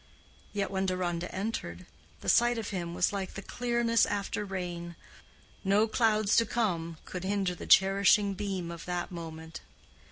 Yet when Deronda entered, the sight of him was like the clearness after rain: no clouds to come could hinder the cherishing beam of that moment.